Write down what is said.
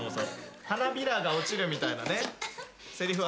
花びらが落ちるみたいなねせりふありましたけど。